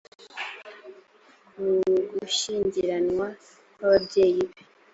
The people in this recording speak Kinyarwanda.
ku gushyingiranwa kw’ababyeyi be